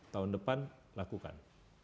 tahun depan lakukan